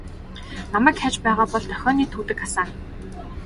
Намайг хайж байгаа бол дохионы түүдэг асаана.